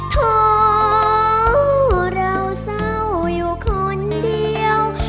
เทาเราเสาอยู่คนเดียว